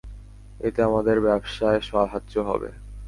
এতে আমাদের ব্যবসায় সাহায্য হবে।